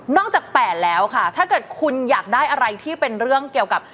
จาก๘แล้วค่ะถ้าเกิดคุณอยากได้อะไรที่เป็นเรื่องเกี่ยวกับ